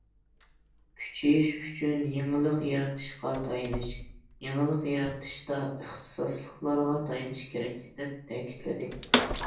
كۈچىيىش ئۈچۈن يېڭىلىق يارىتىشقا تايىنىش، يېڭىلىق يارىتىشتا ئىختىساسلىقلارغا تايىنىش كېرەك، دەپ تەكىتلىدى.